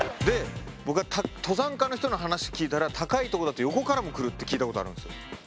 で僕は登山家の人の話聞いたら高いとこだと横からも来るって聞いたことあるんですよ。